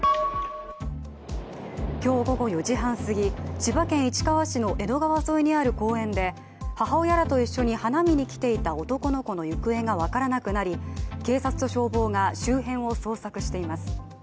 今日午後４時半すぎ、千葉県市川市の江戸川沿いにある公園で母親らと一緒に花見に来ていた男の子の行方が分からなくなり、警察と消防が周辺を捜索しています。